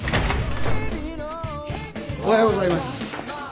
・おはようございます。